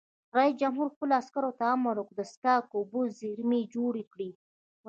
رئیس جمهور خپلو عسکرو ته امر وکړ؛ د څښاک اوبو زیرمې جوړې کړئ!